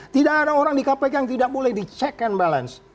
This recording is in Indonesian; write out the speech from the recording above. tidak ada orang di kpk yang tidak boleh di check and balance